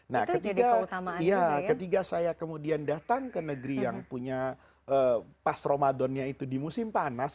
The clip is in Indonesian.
nah ketika saya kemudian datang ke negeri yang punya pas ramadannya itu di musim panas